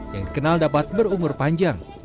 yang dikenal dapat berumur panjang